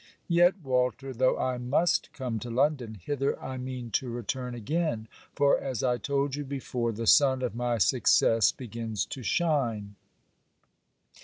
Yet, Walter, though I must come to London, hither I mean to return again; for, as I told you before, the sun of my success begins to shine.